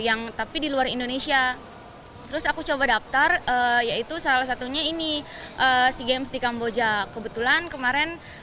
yang tapi di luar indonesia terus aku coba daftar yaitu salah satunya ini sea games di kamboja kebetulan kemarin